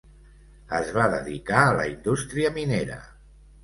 Es va dedicar a la indústria minera.